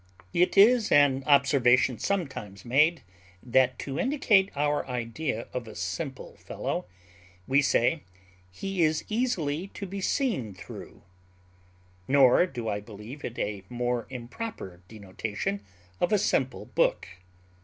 _ It is an observation sometimes made, that to indicate our idea of a simple fellow, we say, he is easily to be seen through: nor do I believe it a more improper denotation of a simple book.